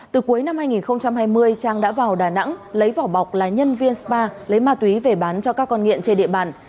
từ cuối năm hai nghìn hai mươi trang đã vào đà nẵng lấy vỏ bọc là nhân viên spa lấy ma túy về bán cho các con nghiện trên địa bàn